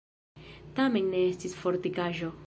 Tamen ne estis fortikaĵo.